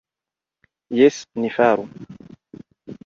Jes, ni faru.